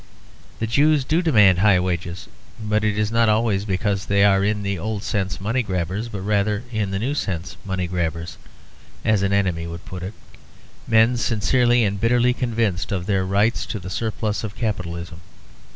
The Jews do demand high wages, but it is not always because they are in the old sense money grabbers, but rather in the new sense money grabbers (as an enemy would put it) men sincerely and bitterly convinced of their right to the surplus of capitalism.